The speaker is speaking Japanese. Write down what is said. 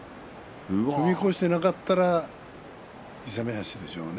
踏み越してなかったら勇み足でしょうね。